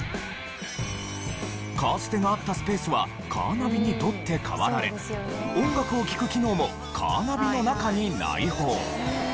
カーステがあったスペースはカーナビに取って代わられ音楽を聴く機能もカーナビの中に内包。